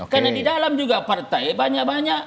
karena di dalam juga partai banyak banyak